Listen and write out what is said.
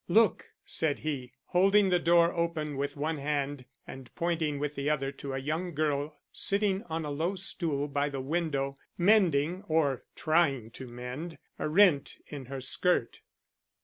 "Look!" said he, holding the door open with one hand and pointing with the other to a young girl sitting on a low stool by the window, mending, or trying to mend, a rent in her skirt.